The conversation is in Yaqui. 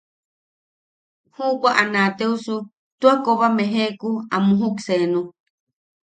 Juʼubwa a naateosu tua koba mejeʼeku a muujuk seenu.